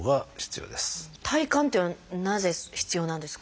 体幹っていうのはなぜ必要なんですか？